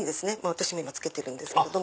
私も今着けてるんですけど。